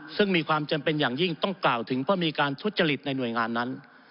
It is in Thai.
ซึ่งมีความจำเป็นอย่างยิ่งต้องกล่าวถึงเพราะมีการทุจริตในหน่วยงานนั้น